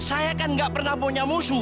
saya kan gak pernah punya musuh